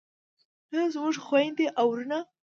نن زموږ خویندې او وروڼه